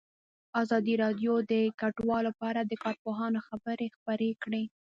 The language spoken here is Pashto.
ازادي راډیو د کډوال په اړه د کارپوهانو خبرې خپرې کړي.